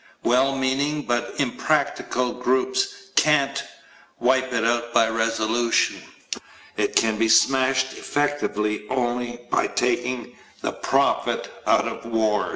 Well meaning but impractical groups can't wipe it out by resolutions. It can be smashed effectively only by taking the profit out of war.